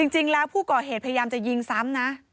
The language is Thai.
จริงแล้วผู้ก่อเหตุพยายามจะยิงซ้ำนะ